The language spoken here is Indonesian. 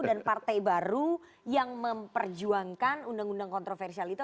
dan partai baru yang memperjuangkan undang undang kontroversial itu